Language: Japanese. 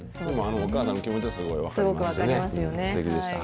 お母さんの気持ちはすごいよく分かりますしね。